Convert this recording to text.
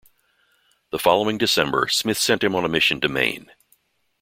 The following December, Smith sent him on a mission to Maine.